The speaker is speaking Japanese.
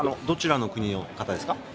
どちらの国の方ですか？